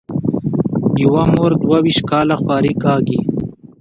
یوه مور دوه وېشت کاله خواري کاږي.